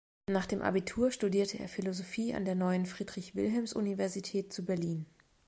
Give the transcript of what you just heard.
Nach dem Abitur studierte er Philosophie an der neuen Friedrich-Wilhelms-Universität zu Berlin.